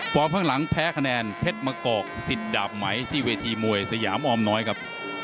ข้างหลังแพ้คะแนนเพชรมะกอกสิทธิ์ดาบไหมที่เวทีมวยสยามออมน้อยครับ